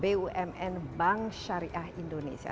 bumn bank syariah indonesia